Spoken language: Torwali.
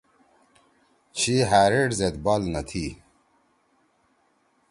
چھی ہأریݜ زید بال نہ تھی۔